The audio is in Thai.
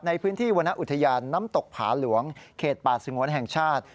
ในพื้นที่วรรณอุทยานน้ำตกผาหลวงเขตป่าสงวนแห่งชาติ